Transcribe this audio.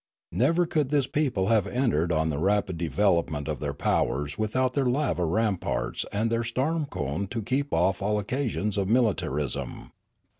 Never could this people have entered on the rapid development of their powers without their lava ramparts and their storm cone to keep off all occasions of militarism.